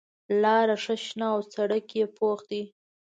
لاره ښه شنه او سړک یې پوخ دی.